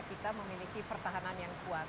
kita memiliki pertahanan yang kuat